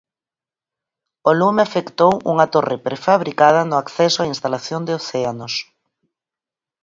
O lume afectou unha torre prefabricada no acceso á instalación de Océanos.